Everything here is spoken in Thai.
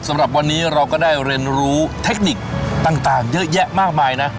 สำหรับวันนี้เราก็ได้เรียนรู้เทคนิคต่างเยอะแยะมากมายนะ